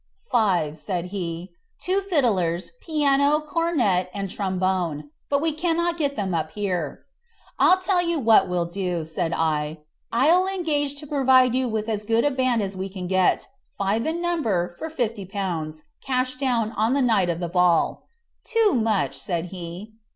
"Five;" said he; "two fiddlers, piano, cornet, and trombone; but we cannot get them up here" "I'll tell you what we will do," said I. "I'll engage to provide you with as good a band as we can get, five in number, for fifty pounds, cash down on the night of the ball." "Too much," said he.